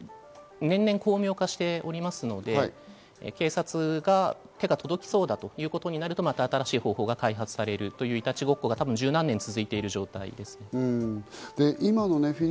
そうですね、年々巧妙化しておりますので、警察が手が届きそうだということになるとまた新しい方法が開発される、いたちごっこが十何年、続いている状態です。